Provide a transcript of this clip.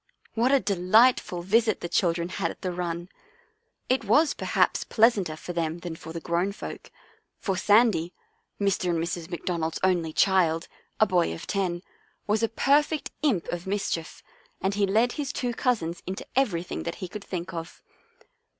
What a delightful visit the children had at the run ! It was perhaps pleasanter for them than for the grown folk, for Sandy, Mr. and Mrs. McDonald's only child, a boy of ten, was a perfect imp of mis chief, and he led his two cousins into everything that he could think of.